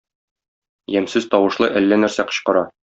Ямьсез тавышлы әллә нәрсә кычкыра.